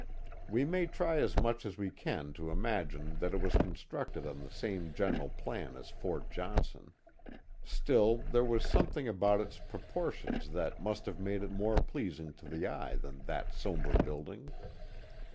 We may try as much as we can to imagine that it was constructed on the same general plan as Fort Johnson, still there was something about its proportions that must have made it more pleasing to the eye than that fombre building.